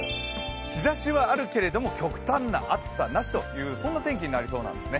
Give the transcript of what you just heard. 日ざしはあるけれども、極端な暑さなしという天気になりそうなんですね。